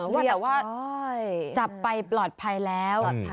แต่ว่าจับไปปลอดภัยแล้ว